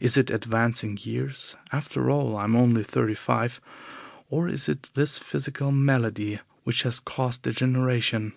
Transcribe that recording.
Is it advancing years (after all, I am only thirty five), or is it this physical malady which has caused degeneration?